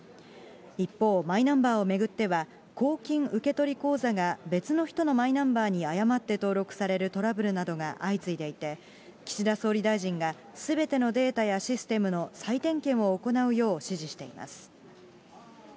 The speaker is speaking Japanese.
一方、マイナンバーを巡っては、公金受取口座が別の人のマイナンバーに誤って登録されるトラブルなどが相次いでいて、岸田総理大臣がすべてのデータやシステムの再点検を行うよう指示しています。